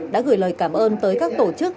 đã gửi lời cảm ơn tới các tổ chức